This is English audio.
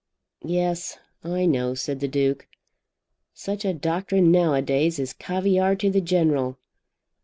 "Yes; I know," said the Duke. "Such a doctrine nowadays is caviare to the general.